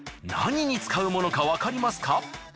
何に使うものかわかりますか？